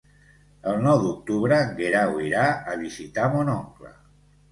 El nou d'octubre en Guerau irà a visitar mon oncle.